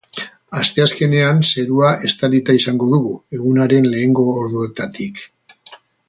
Asteazkenean, zerua estalita izango dugu, egunaren lehengo orduetatik.